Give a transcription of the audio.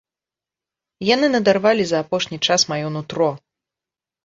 Яны надарвалі за апошні час маё нутро.